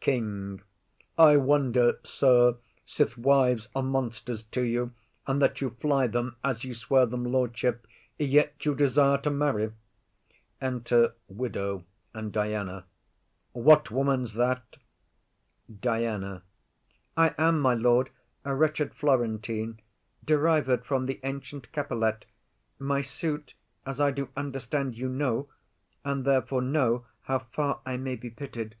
KING. I wonder, sir, since wives are monsters to you, And that you fly them as you swear them lordship, Yet you desire to marry. What woman's that? Enter Widow and Diana. DIANA. I am, my lord, a wretched Florentine, Derived from the ancient Capilet; My suit, as I do understand, you know, And therefore know how far I may be pitied.